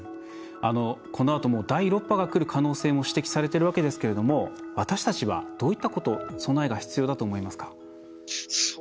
このあと第６波がくる可能性も指摘されているわけですが私たちはどういったことの備えが必要だと思いますか？